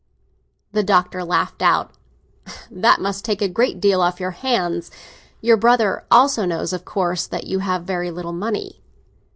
The Doctor laughed out. "That must take a great deal off your hands! Your brother also knows, of course, that you have very little money."